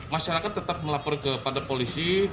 masyarakat tetap melapor kepada polisi